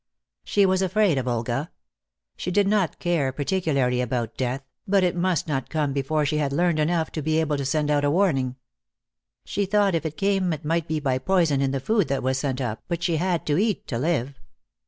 She was afraid of Olga. She did not care particularly about death, but it must not come before she had learned enough to be able to send out a warning. She thought if it came it might be by poison in the food that was sent up, but she had to eat to live.